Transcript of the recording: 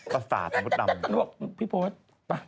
ภาษาถามภูตรอ่ำ